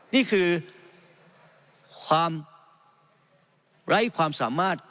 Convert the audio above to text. นี่คือความไร้ความสามารถ